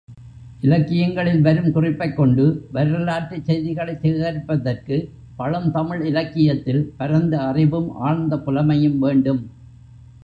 இலக்கியங்களில் வரும் குறிப்பைக் கொண்டு வரலாற்றுச் செய்திகளைச் சேகரிப்பதற்குப் பழந்தமிழ் இலக்கியத்தில் பரந்த அறிவும் ஆழ்ந்த புலமையும் வேண்டும்.